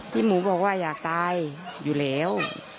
หมูบอกว่าอยากตายอยู่แล้ว